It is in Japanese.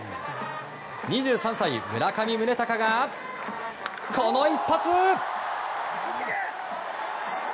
２３歳、村上宗隆がこの一発！